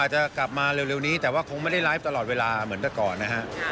จะกลับมาเร็วนี้แต่ว่าคงไม่ได้ไลฟ์ตลอดเวลาเหมือนแต่ก่อนนะฮะ